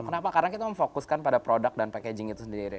kenapa karena kita memfokuskan pada produk dan packaging itu sendiri